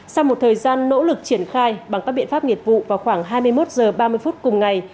sau một thời gian nỗ lực triển khai bằng các biện pháp nghiệp vụ vào khoảng hai mươi một h ba mươi phút cùng ngày